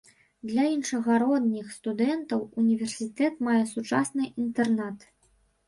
Для іншагародніх студэнтаў універсітэт мае сучасны інтэрнат.